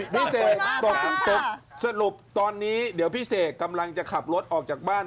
พี่เสกตกสรุปตอนนี้เดี๋ยวพี่เสกกำลังจะขับรถออกจากบ้าน